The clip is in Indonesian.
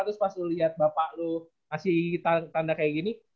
terus pas lu lihat bapak lu ngasih tanda kayak gini